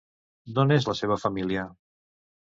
D'on és la seva família?